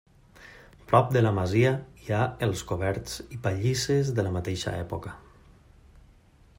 Prop de la masia hi ha els coberts i pallisses de la mateixa època.